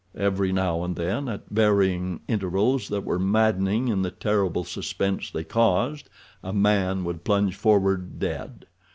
Every now and then, at varying intervals that were maddening in the terrible suspense they caused, a man would plunge forward dead.